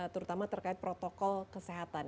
terutama terkait protokol kesehatan